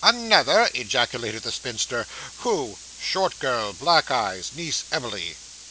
'Another!' ejaculated the spinster. 'Who?' Short girl black eyes niece Emily.